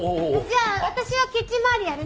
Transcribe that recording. じゃあ私はキッチン周りやるね。